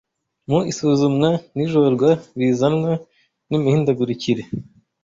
mu isuzumwa n’ijorwa bizanwa n’imihindagurikire